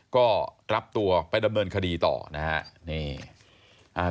ก็รับตัวไปดำเนินคดีต่อนะครับ